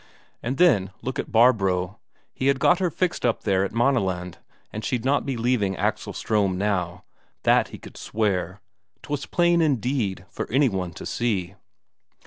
And then look at Barbro, he had got her fixed up there at Maaneland, and she'd not be leaving Axel Ström now, that he could swear 'twas plain indeed for any one to see.